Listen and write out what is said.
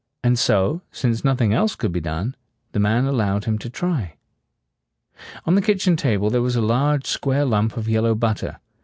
And so, since nothing else could be done, the man allowed him to try. On the kitchen table there was a large square lump of yellow butter.